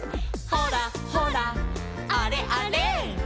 「ほらほらあれあれ」